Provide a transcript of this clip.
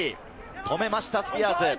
止めました、スピアーズ。